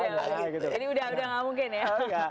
jadi udah nggak mungkin ya